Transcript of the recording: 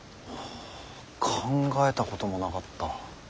考えたこともなかった。